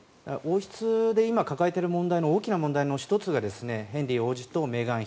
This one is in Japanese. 王室で今抱えている大きな問題の１つがヘンリー王子とメーガン妃